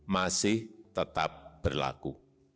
masih tetap berlaku